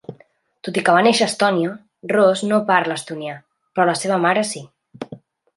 Tot i que va néixer a Estònia, Roos no parla estonià, però la seva mare sí.